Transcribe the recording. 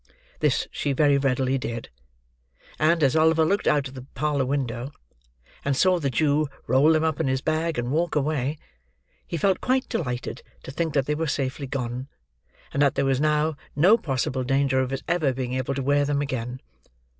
This she very readily did; and, as Oliver looked out of the parlour window, and saw the Jew roll them up in his bag and walk away, he felt quite delighted to think that they were safely gone, and that there was now no possible danger of his ever being able to wear them again.